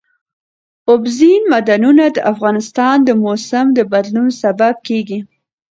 اوبزین معدنونه د افغانستان د موسم د بدلون سبب کېږي.